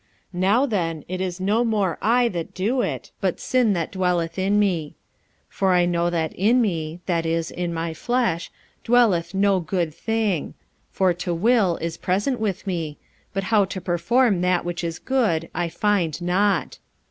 45:007:017 Now then it is no more I that do it, but sin that dwelleth in me. 45:007:018 For I know that in me (that is, in my flesh,) dwelleth no good thing: for to will is present with me; but how to perform that which is good I find not.